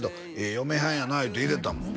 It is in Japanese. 嫁はんやなって言うてたもん